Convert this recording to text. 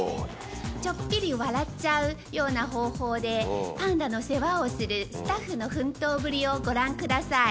ちょっぴり笑っちゃうような方法で、パンダの世話をするスタッフの奮闘ぶりをご覧ください。